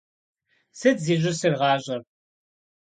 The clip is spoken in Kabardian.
Сыт зищӀысыр гъащӀэр?